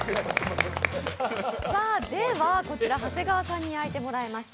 こちら長谷川さんに焼いてもらいました